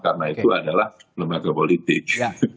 karena itu adalah lembaga politik